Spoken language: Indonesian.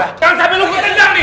jangan sampe lu gue kedenger nih